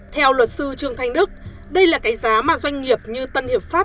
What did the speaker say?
theo luật sư trương thanh đức đây là cái giá mà doanh nghiệp như tân hiệp pháp